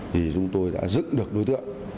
thì chúng tôi đã giữ được đối tượng